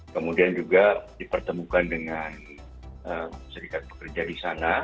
kemudian juga dipertemukan dengan serikat pekerja di sana